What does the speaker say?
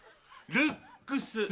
ルックス！